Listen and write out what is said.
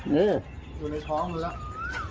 อยู่ในท้องมันล่ะ